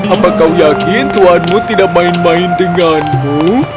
apa kau yakin tuanmu tidak main main denganmu